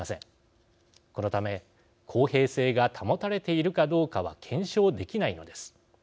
このため公平性が保たれているかどうかは検証できないのです。